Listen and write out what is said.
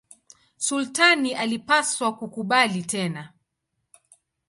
Sultani alipaswa kukubali tena.